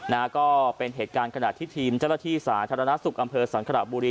นะก็เป็นเหตุการณ์ขนาดที่ทีมจรฐีสาธารณสุขอำเภอสังคลาบบุรี